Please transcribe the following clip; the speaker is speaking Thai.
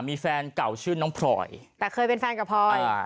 มีแฟนเก่าชื่อน้องพลอยแต่เคยเป็นแฟนกับพลอยอ่า